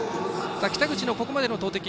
北口のここまでの投てき